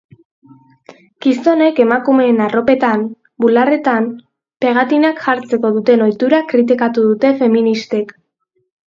Gizonek emakumeen arropetan, bularretan, pegatinak jartzeko duten ohitura kritikatu dute feministek.